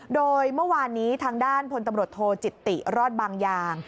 โดยเมื่อวานนี้ทางด้านพลตำรวจโทจิตติรอดบางอย่าง